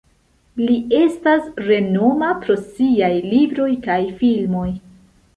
Li estas renoma pro siaj libroj kaj filmoj.